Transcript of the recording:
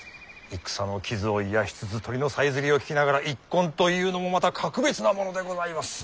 戦の傷を癒やしつつ鳥のさえずりを聞きながら一献というのもまた格別なものでございます。